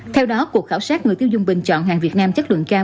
theo đó cuộc khảo sát người tiêu dùng bình chọn hàng việt nam chất lượng cao